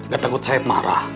gak takut saya marah